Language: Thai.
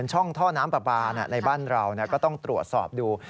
ช่องท่อน้ำปลาปลาในบ้านเราก็ต้องตรวจสอบดู